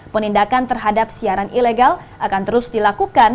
penindakan terhadap siaran ilegal akan terus dilakukan